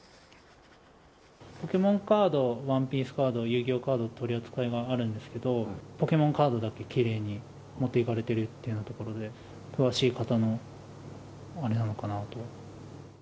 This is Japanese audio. ポケモンカード、ワンピースカード、遊戯王カード、取り扱いがあるんですけど、ポケモンカードだけきれいに持っていかれてるというところで、詳しい方のあれなのかなと。